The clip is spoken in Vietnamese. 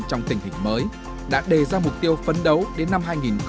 trong tình hình mới đã đề ra mục tiêu phấn đấu đến năm hai nghìn hai mươi năm